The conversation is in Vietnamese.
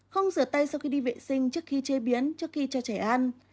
không rửa tay sau khi đi vệ sinh trước khi chế biến trước khi cho trẻ ăn